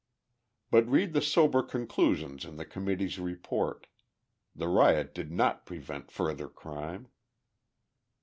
But read the sober conclusions in the Committee's report. The riot did not prevent further crime.